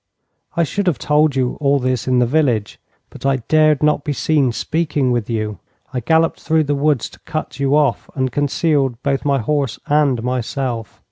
I should have told you all this in the village, but I dared not be seen speaking with you. I galloped through the woods to cut you off, and concealed both my horse and myself.'